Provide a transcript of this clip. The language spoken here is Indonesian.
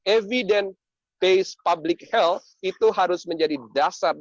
evidence based public health itu harus menjadi dasar